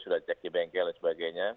sudah cek di bengkel dan sebagainya